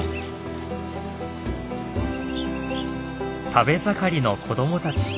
食べ盛りの子どもたち。